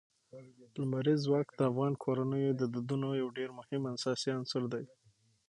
لمریز ځواک د افغان کورنیو د دودونو یو ډېر مهم او اساسي عنصر دی.